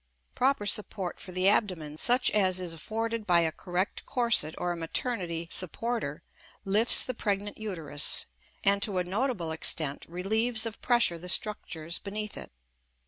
Proper support for the abdomen, such as is afforded by a correct corset or a maternity supporter, lifts the pregnant uterus, and to a notable extent relieves of pressure the structures beneath it.